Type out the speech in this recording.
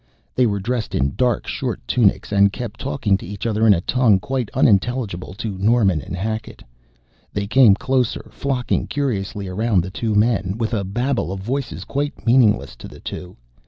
They were dressed in dark short tunics, and kept talking to each other in a tongue quite unintelligible to Norman and Hackett. They came closer, flocking curiously around the two men, with a babel of voices quite meaningless to the two.